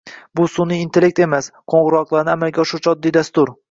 — Bu sunʼiy intellekt emas, qoʻngʻiroqlarni amalga oshiruvchi oddiy dastur.